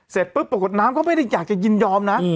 เสร็จปุ๊บปรากฏน้ำก็ไม่ได้อยากจะยินยอมนะ